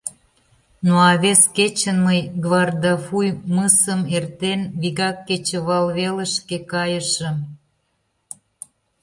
Ну, а вес кечын мый, Гвардафуй мысым эртен, вигак кечывалвелышке кайышым.